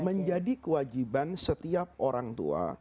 menjadi kewajiban setiap orang tua